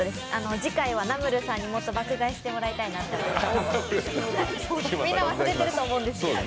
次回はナムルさんに爆買いしてほしいなと思います。